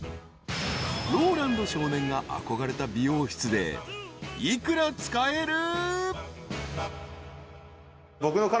［ＲＯＬＡＮＤ少年が憧れた美容室で幾ら使える？］